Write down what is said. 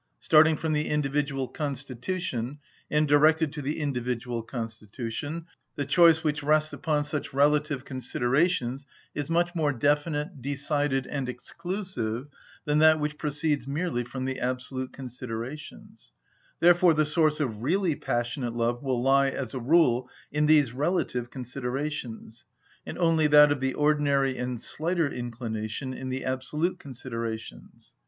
Starting from the individual constitution, and directed to the individual constitution, the choice which rests upon such relative considerations is much more definite, decided, and exclusive than that which proceeds merely from the absolute considerations; therefore the source of really passionate love will lie, as a rule, in these relative considerations, and only that of the ordinary and slighter inclination in the absolute considerations.